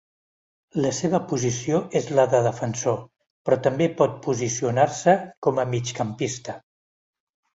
La seva posició és la de defensor, però també pot posicionar-se com a migcampista.